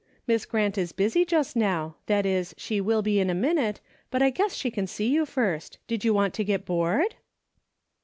Miss Grant is busy just now, that is she will be in a minute, but I guess she can see you first. Did you want to ^et board